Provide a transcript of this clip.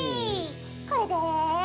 これで。